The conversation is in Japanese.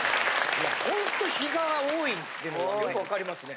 いやほんと比嘉が多いってのがよく分かりますね。